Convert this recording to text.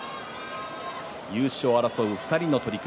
優勝を争う２人の取組